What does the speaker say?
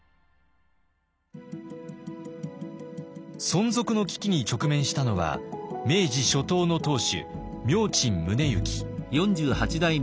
存続の危機に直面したのは明治初頭の当主明珍宗之。